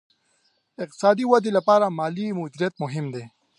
اقتصادي ودې لپاره مالي مدیریت مهم دی.